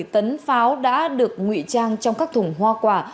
bảy tấn pháo đã được ngụy trang trong các thùng hoa quả